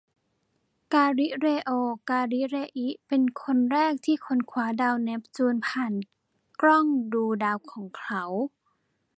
กาลิเลโอ กาลิเลอิ เป็นคนแรกที่ค้นคว้าดาวเนปจูนผ่านกล้างดูดาวของเขา